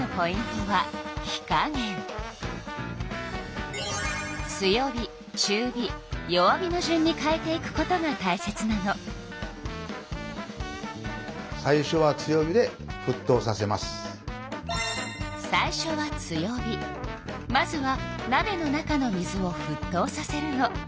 まずはなべの中の水をふっとうさせるの。